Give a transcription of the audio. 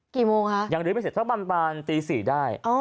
กี่โมงคะยังลื้อไม่เสร็จถ้าปันตี๔ได้